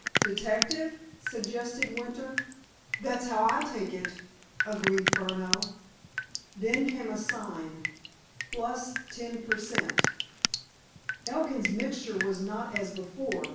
"Detective?" suggested Winter. "That's how I take it," agreed Furneaux. Then came a sign: "+10%." "Elkin's mixture was not 'as before.